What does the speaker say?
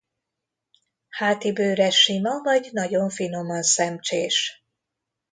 Háti bőre sima vagy nagyon finoman szemcsés.